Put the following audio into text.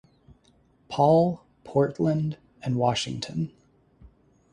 Paul, Portland and Washington.